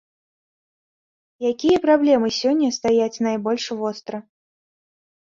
Якія праблемы сёння стаяць найбольш востра?